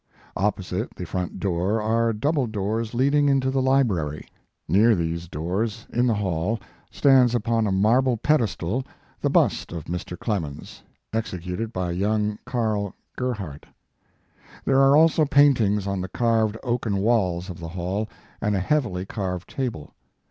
Opposite the front door are double doors leading into the His Life and Work. 167 library. Near these doors in the hall, stands upon a marble pedestal, the bust of Mr. Clemens, executed by young Carl Gerhardt. There are also paintings on the carved oaken walls of the hall and a heavily carved table.